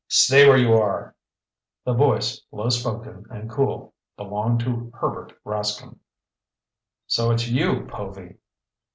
"Stay where you are!" The voice, low spoken and cool, belonged to Herbert Rascomb. "So it's you, Povy?"